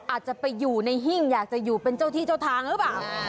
อาจจะไปอยู่ในหิ้งอยากจะอยู่เป็นเจ้าที่เจ้าทางหรือเปล่า